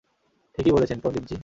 ঠিকই বলেছেন, পন্ডিতজি।